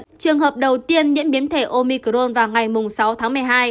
trong trường hợp đầu tiên nhiễm biến thể omicron vào ngày sáu tháng một mươi hai